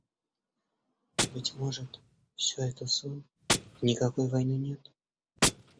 «Быть может, все это сон и никакой войны нет?